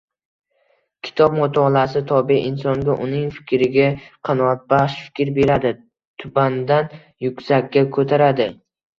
Kitob mutolaasi tobe insonga, uning fikriga qanotbaxsh fikr beradi, tubandan yuksakka ko‘taradi.